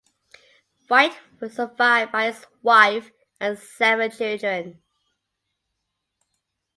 White was survived by his wife and seven children.